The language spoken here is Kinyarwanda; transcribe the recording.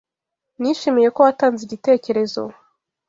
Nishimiye ko watanze igitekerezo.